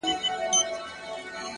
ستا هغه ګوته طلایي چیري ده!!